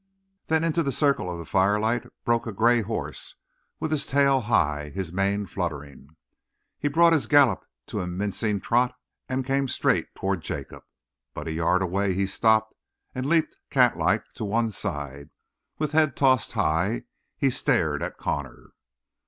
Then into the circle of the firelight broke a gray horse with his tail high, his mane fluttering. He brought his gallop to a mincing trot and came straight toward Jacob, but a yard away he stopped and leaped catlike to one side; with head tossed high he stared at Connor.